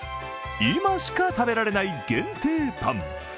今しか食べられない限定パン